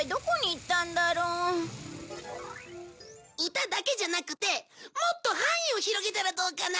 歌だけじゃなくてもっと範囲を広げたらどうかな？